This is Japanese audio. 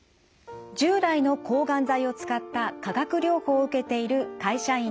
従来の抗がん剤を使った化学療法を受けている会社員のＡさん。